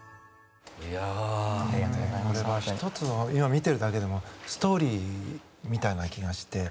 見てるだけでも１つのストーリーみたいな気がして。